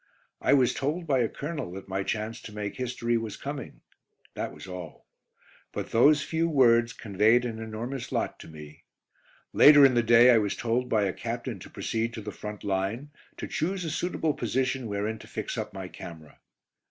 I was told by a colonel that my chance to make history was coming. That was all. But those few words conveyed an enormous lot to me. Later in the day I was told by a captain to proceed to the front line, to choose a suitable position wherein to fix up my camera.